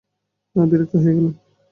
বিরক্ত হয়ে গেলাম!